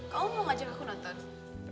kamu mau ngajak aku nonton